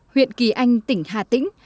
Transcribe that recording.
huyện kỳ anh tỉnh hà tĩnh